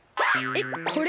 えっこれ？